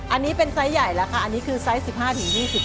อันนี้เป็นไซส์ใหญ่แล้วค่ะอันนี้คือไซส์๑๕๒๐